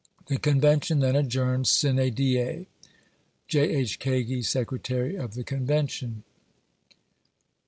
The Convention then adjourned, sine die. J. H. KAGI, Secretary of the ConvenUun.